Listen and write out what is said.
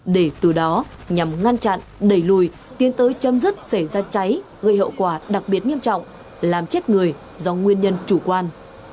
để từ đó nhằm ngăn chặn đẩy lùi tiến tới chấm dứt xảy ra cháy gây hậu quả đặc biệt nghiêm trọng làm chết người do nguyên nhân chủ quan